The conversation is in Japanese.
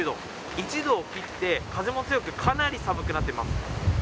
１度を切って風も強く、かなり寒くなっています。